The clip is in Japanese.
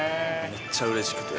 めっちゃうれしくて。